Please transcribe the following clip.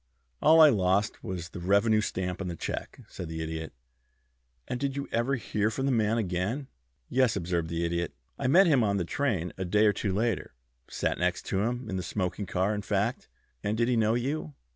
"All I lost was the revenue stamp on the check," said the Idiot. "And did you ever hear from the man again?" "Yes," observed the Idiot. "I met him on the train a day or two later sat next to him in the smoking car, in fact." "And did he know you?"